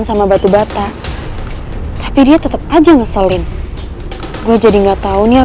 sampai jumpa di video selanjutnya